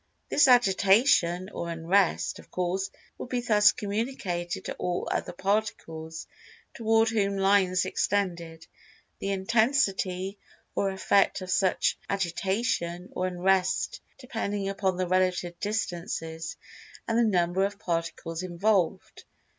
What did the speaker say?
This Agitation, or Unrest, of course, would be thus communicated to all other Particles toward whom lines extended, the intensity or effect of such Agitation or Unrest depending upon the relative distances, and the number of Particles involved.